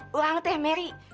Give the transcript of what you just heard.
eh orangnya merry